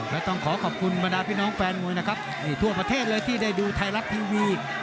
และต้องขอขอบคุณบรรดาพี่น้องแฟนมวยนะครับนี่ทั่วประเทศเลยที่ได้ดูไทยรัฐทีวี